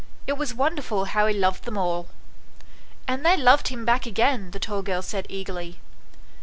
It was wonderful how he loved them all" " And they loved him back again !" the tall girl said, eagerly.